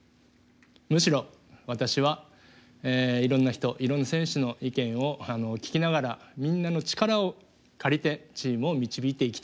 むしろ私はいろんな人いろんな選手の意見を聞きながらみんなの力を借りてチームを導いていきたい。